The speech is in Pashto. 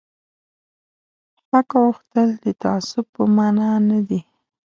حق غوښتل د تعصب په مانا نه دي